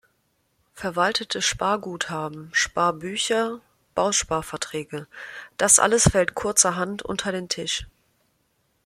Verwaltete Sparguthaben, Sparbücher, Bausparverträge, das alles fällt kurzerhand unter den Tisch.